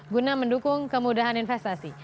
guna mendukung kemudahan investasi